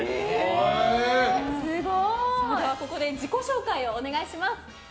ここで自己紹介をお願いします。